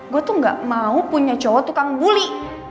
gue tuh gak mau punya cowok tukang bully